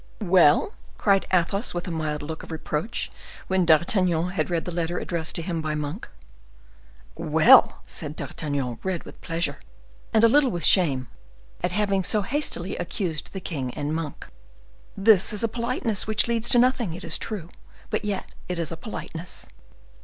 Well?" cried Athos with a mild look of reproach, when D'Artagnan had read the letter addressed to him by Monk. "Well!" said D'Artagnan, red with pleasure, and a little with shame, at having so hastily accused the king and Monk. "This is a politeness,—which leads to nothing, it is true, but yet it is a politeness."